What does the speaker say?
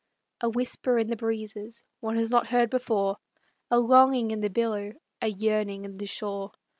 A whisper in the breezes One has not heard before ; A longing in the billow, A yearning in the shore.